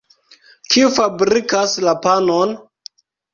Kiu fabrikas la panon?